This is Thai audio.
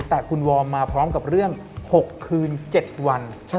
แต่คุณวอร์มมาพร้อมกับเรื่อง๖คืน๗วัน